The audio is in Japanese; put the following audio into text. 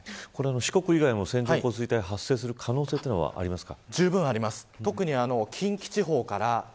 四国以外でも線状降水帯が発生する可能性はありますか。